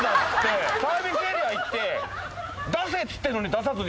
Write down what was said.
サービスエリア行って出せっつってるのに出さずに。